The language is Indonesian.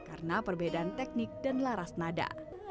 karena perbedaan teknik dan laras nada